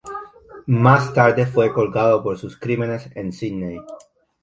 Más tarde fue colgado por sus crímenes en Sídney.